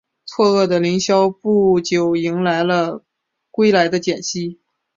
错愕的林萧不久迎来了归来的简溪。